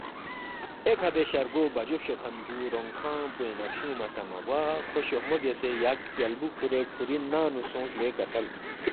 ایکھہ دے شرگو بَجو فچوکھن پو رونگ کھنگ پوینگ نہ فیُونگما سہ مہ گوا کھو شوخمو بیاسے یا کیالبُو کُھورے کُھوری ننگ نُو سونگس لے کسل